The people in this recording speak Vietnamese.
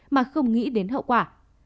mà không nghĩ đến hậu quả của mình